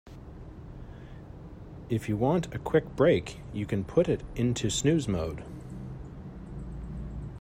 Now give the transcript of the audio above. If you want a quick break you can put it into snooze mode.